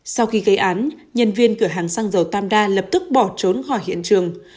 sau khi gây án nhân viên cửa hàng xăng dầu tam đa lập tức bỏ trốn khỏi hiện trường